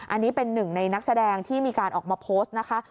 อันนี้เป็นหนึ่งในนักแสดงที่มีการออกมาโพสต์นะคะ